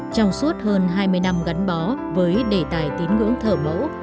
trong suốt hơn hai mươi năm gắn bó với đề tài tín ngưỡng thờ mẫu